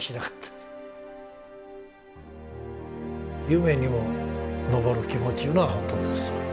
夢にも昇る気持ちいうのは本当ですわ。